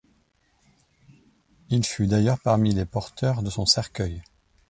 Il fut d'ailleurs parmi les porteurs de son cercueil.